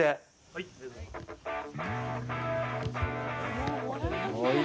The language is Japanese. はい！